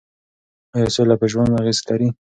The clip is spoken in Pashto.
ایا سوله په ژوند اغېز لري؟